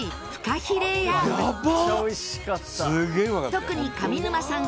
特に上沼さん